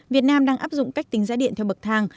việt nam đang áp dụng cách tính giá điện theo bậc thang